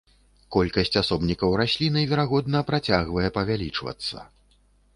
Колькасць асобнікаў расліны, верагодна, працягвае павялічвацца.